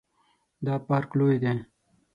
دا پارک لوی ده